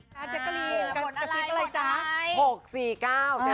กระพริบอะไรจ๊ะหกสี่เก้า